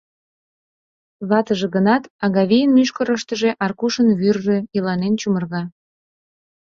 Ватыже гынат, Агавийын мӱшкырыштыжӧ Аркушын вӱржӧ иланен чумырга.